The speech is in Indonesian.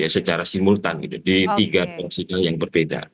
secara simultan gitu di tiga fungsional yang berbeda